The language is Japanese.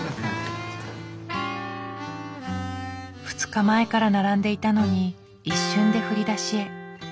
２日前から並んでいたのに一瞬で振り出しへ。